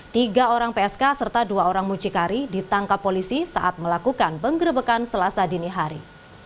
tiga orang psk serta dua orang mucikari ditangkap polisi saat melakukan penggerbekan selasa dini hari